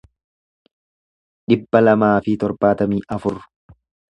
dhibba lamaa fi torbaatamii afur